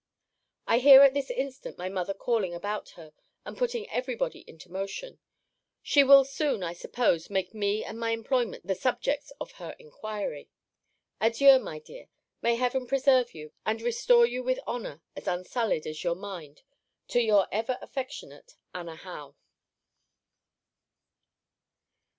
I hear at this instant, my mother calling about her, and putting every body into motion. She will soon, I suppose, make me and my employment the subjects of her inquiry. Adieu, my dear. May heaven preserve you, and restore you with honour as unsullied as your mind to Your ever affectionate ANNA HOWE.